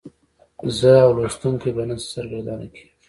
زه او لوستونکی به نه سرګردانه کیږو.